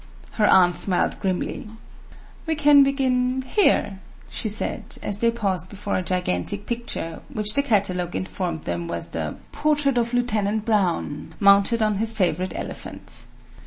Her aunt smiled grimly. "We can begin here," she said, as they paused before a gigantic picture, which the catalogue informed them was the "Portrait of Lieutenant Brown, mounted on his favorite elephant."